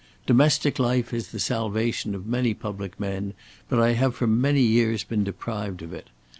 Domestic life is the salvation of many public men, but I have for many years been deprived of it.